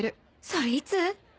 それいつ？